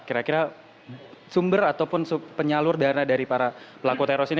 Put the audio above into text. kira kira sumber ataupun penyalur dana dari para pelaku teror ini